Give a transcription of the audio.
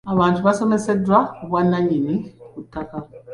Abantu baasomeseddwa ku bwannannyini ku ttaka.